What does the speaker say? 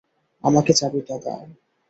আমাকে চাবিটা দাও!